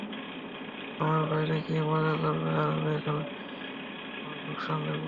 তোমরা বাইরে গিয়ে মজা করবে, আর আমি এখনে বসে আমার লোকসান দেখবো?